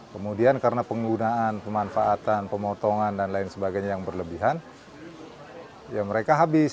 kemudian karena penggunaan pemanfaatan pemotongan dan lain sebagainya yang berlebihan ya mereka habis